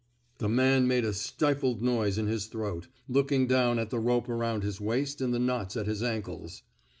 The man made a stifled noise in his throat, looking down at the rope around his waist and the knots at his ankles.